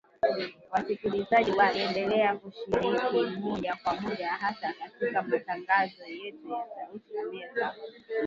Wasikilizaji waendelea kushiriki moja kwa moja hasa katika matangazo yetu ya sauti ya Amerika